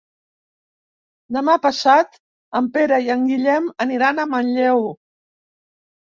Demà passat en Pere i en Guillem aniran a Manlleu.